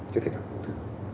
chắc chắn là không được